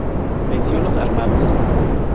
Peciolos armados.